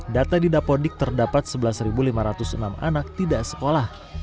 data di dapodik terdapat sebelas lima ratus enam anak tidak sekolah